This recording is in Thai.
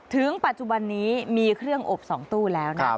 ถึงปัจจุบันนี้มีเครื่องอบ๒ตู้แล้วนะครับ